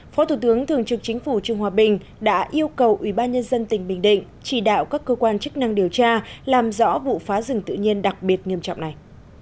phó thủ tướng thường trực chính phủ trương hòa bình đã yêu cầu ubnd tỉnh bình định chỉ đạo các cơ quan chức năng điều tra làm rõ vụ phá rừng tự nhiên đặc biệt nghiêm trọng này